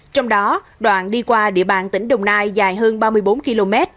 trong đó đoạn đi qua địa bàn tỉnh đồng nai dài hơn ba mươi bốn km